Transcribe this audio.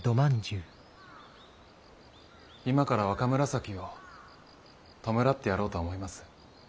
今から若紫を弔ってやろうと思います。